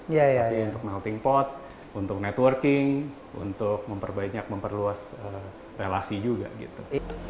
tapi untuk melting pot untuk networking untuk memperbanyak memperluas relasi juga gitu